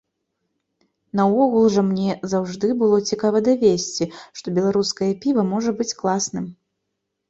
Наогул жа мне заўжды было цікава давесці, што беларускае піва можа быць класным!